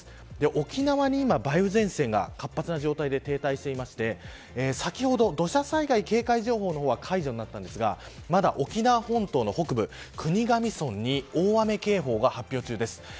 沖縄に今梅雨前線が活発な状態で停滞していて先ほど、土砂災害警戒情報の方は解除になったんですがまだ沖縄本島の北部国頭村に大雨警報が発表中です。